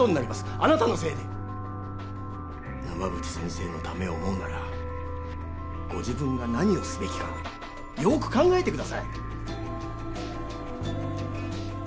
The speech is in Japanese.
あなたのせいで沼淵先生のためを思うならご自分が何をすべきかよく考えてください